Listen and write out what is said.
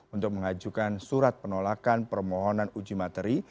untuk mengajukan surat penolakan permohonan uji materi